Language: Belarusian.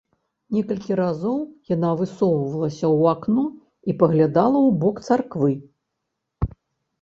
Некалькі разоў яна высоўвалася ў акно і паглядала ў бок царквы.